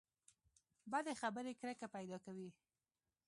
بدې خبرې کرکه پیدا کوي.